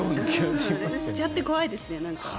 知っちゃって怖いですね。